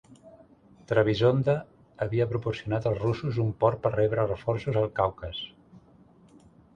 Trebisonda havia proporcionat als russos un port per rebre reforços al Caucas.